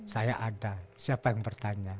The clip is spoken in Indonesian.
saya ada siapa yang bertanya